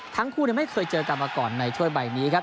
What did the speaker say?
ทั้งคู่ไม่เคยเจอกันมาก่อนในถ้วยใบนี้ครับ